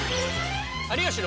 「有吉の」。